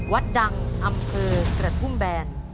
วัดดังอำเภอกระทุ่มแบน